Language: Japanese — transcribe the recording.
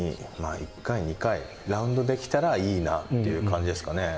１回２回ラウンドできたらいいなっていう感じですかね。